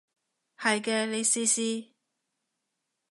係嘅，你試試